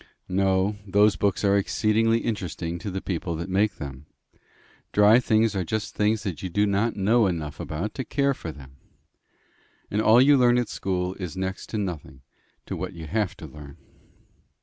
"No. Those books are exceedingly interesting to the people that make them. Dry things are just things that you do not know enough about to care for them. And all you learn at school is next to nothing to what you have to learn."